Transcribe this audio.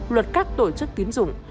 luật các tổ chức tiến dụng